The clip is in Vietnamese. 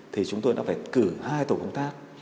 thì chúng tôi đã phải cử hai tổ công tác